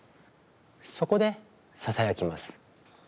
そこでささやきます。